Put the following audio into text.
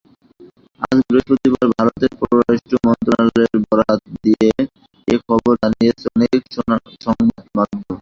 আজ বৃহস্পতিবার ভারতের পররাষ্ট্র মন্ত্রণালয়ের বরাত দিয়ে এ খবর জানিয়েছে অনেক সংবাদমাধ্যম।